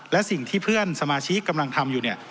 และสิ่งที่เพื่อนสมาชิกกำลังทำอยู่เนี่ย